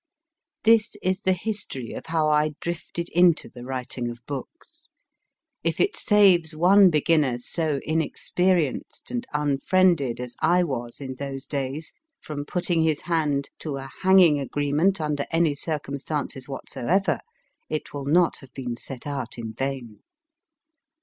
This is the history of how I drifted into the writing of books. If it saves one beginner so inexperienced and un friended as I was in those days from putting his hand to a hanging agreement under any circumstances whatsoever, it will not have been set out in vain.